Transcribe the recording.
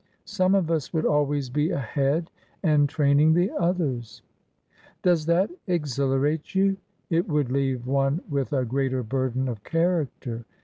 Some of us would always be ahead and train ing the others !"" Does that exhilarate you ? It would leave one with a greater burden of character.